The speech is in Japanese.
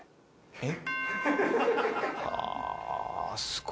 えっ！？